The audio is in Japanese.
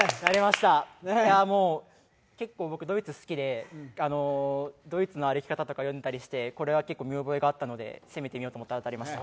結構僕ドイツ好きでドイツの歩き方とか読んだりして、これは見覚えがあったので攻めてみようと思ったらいけました。